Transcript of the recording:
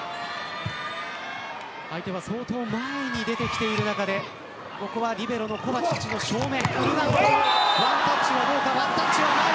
相手は相当前に出てきている中でリベロのコバチッチの正面。